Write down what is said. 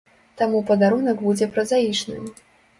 Таму падарунак будзе празаічным.